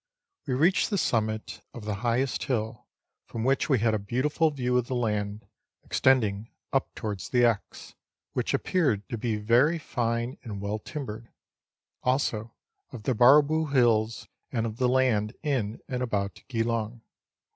We reached the summit of the highest hill, from which we had a beautiful view of the land, extending up towards the Exe, which appeared to be very fine and well timbered ; also of the Barrabool Hills, and of the land in and about Geelong.